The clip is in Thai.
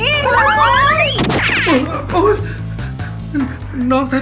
พี่ถึกจ้าชายหญิงอยู่ในห้องด้วยกันซะ